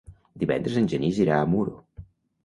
Divendres en Genís irà a Muro.